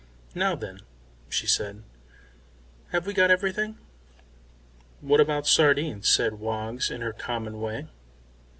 "Now, then," she said, "have we got everything?" "What about sardines?" said Woggs in her common way.